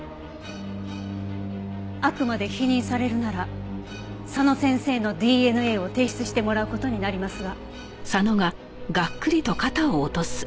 あくまで否認されるなら佐野先生のＤＮＡを提出してもらう事になりますが。